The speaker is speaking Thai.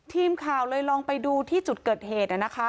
ทีมข่าวเลยลองไปดูที่จุดเกิดเหตุนะคะ